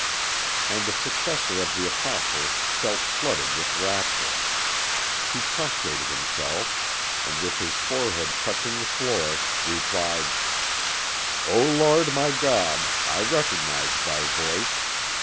And the successor of the apostles felt flooded with rapture. He prostrated himself, and with his forehead touching the floor, replied: "O Lord, my God, I recognise Thy voice!